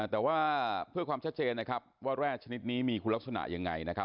แต่เพื่อความชัดเจนว่าแร่ชนิดนี้มีความลับสนะอย่างไร